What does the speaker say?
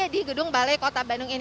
di gedung balai kota bandung ini